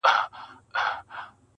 د زمانې دتوپانو په وړاندي وم لکه غر ,